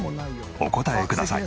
お答えください。